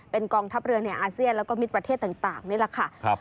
เป็นกองทัพเรือในอาเซียนแล้วก็มิตรประเทศต่างนี่แหละค่ะ